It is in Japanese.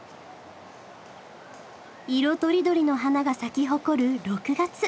色とりどりの花が咲き誇る６月。